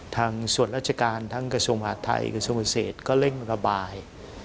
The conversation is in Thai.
ทางส่วนราชการทั้งกระทรวงมหาดไทยกระทรวงเกษตรก็เร่งระบาย